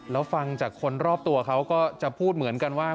แล้วฟังจากคนรอบตัวเขาก็จะพูดเหมือนกันว่า